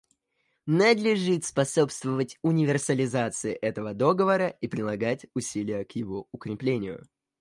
Надлежит способствовать универсализации этого Договора и прилагать усилия к его укреплению.